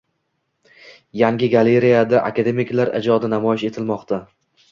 Yangi galereyada akademiklar ijodi namoyish etilmoqda